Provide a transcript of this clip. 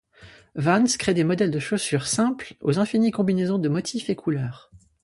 Vans crée des modèles de chaussures simples aux infinies combinaisons de motifs et couleurs.